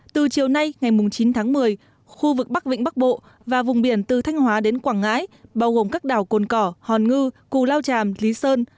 từ chiều nay ngày chín tháng một mươi khu vực bắc vịnh bắc bộ và vùng biển từ thanh hóa đến quảng ngãi bao gồm các đảo cồn cỏ hòn ngư cù lao tràm lý sơn